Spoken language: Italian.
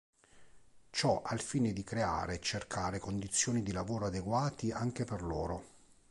Ciò al fine di creare e cercare condizioni di lavoro adeguati anche per loro.